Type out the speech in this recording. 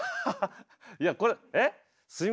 いやこれえ？え？